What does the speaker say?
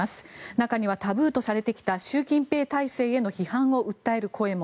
中にはタブーとされてきた習近平体制への批判を訴える声も。